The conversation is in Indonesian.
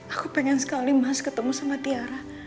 aku pengen sekali mas ketemu sama tiara